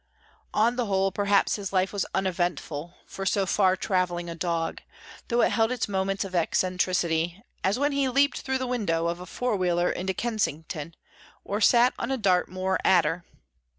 On the whole, perhaps his life was uneventful for so far travelling a dog, though it held its moments of eccentricity, as when he leaped through the window of a four wheeler into Kensington, or sat on a Dartmoor adder.